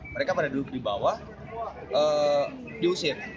mereka pada duduk di bawah diusir